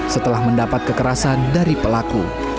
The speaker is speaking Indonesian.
setelah mendapat kekerasan dari pelaku